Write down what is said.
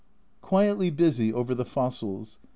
Quietly busy over the fossils.